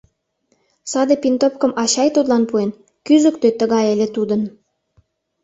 Саде пинтопкым ачай тудлан пуэн — кӱзыктӧ тыгай ыле тудын.